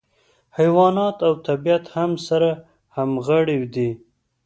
حیوانات او طبیعت هم سره همغاړي دي.